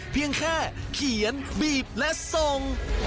เพียงแค่เขียนบีบและส่ง